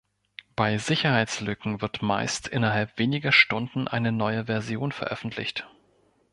Bei Sicherheitslücken wird meist innerhalb weniger Stunden eine neue Version veröffentlicht.